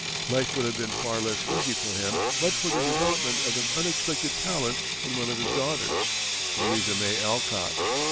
Life would have been far less easy for him but for the development of an unexpected talent in one of his daughters, Louisa May Alcott.